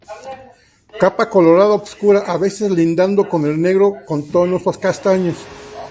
Capa colorada oscura, a veces lindando con el negro, con tonos castaños.